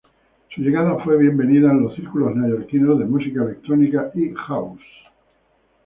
Su llegada fue bienvenida en los círculos neoyorquinos de música electrónica y house.